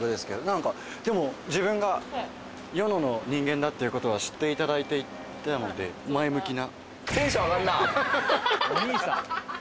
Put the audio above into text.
でも自分が与野の人間だっていうことは知っていただいていたので前向きな。